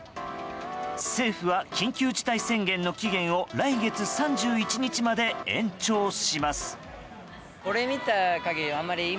政府は緊急事態宣言の期限を来月３１日まで延長します。